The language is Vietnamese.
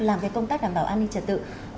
làm công tác đảm bảo an ninh trật tự